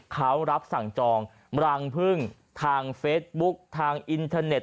เขารับสั่งจองรังพึ่งทางเฟซบุ๊คทางอินเทอร์เน็ต